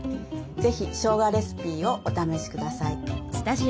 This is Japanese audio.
是非しょうがレシピをお試しください。